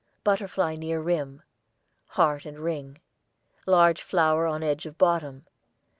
Butterfly near rim. Heart and ring. Large flower on edge of bottom.